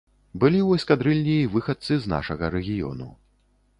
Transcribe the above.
Былі ў эскадрыллі і выхадцы з нашага рэгіёну.